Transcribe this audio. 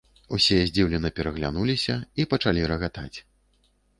Усе здзіўлена пераглянуліся і пачалі рагатаць.